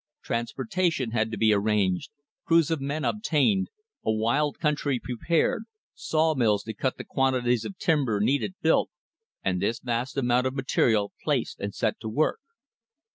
Trans portation had to be arranged, crews of men obtained, a wild country prepared, sawmills to cut the quantities of timber needed built, and this vast amount of material placed and set to work.